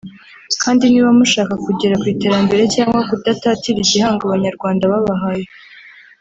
kandi niba mushaka kugera ku iterambere cyangwa kudatatira igihango Abanyarwanda babahaye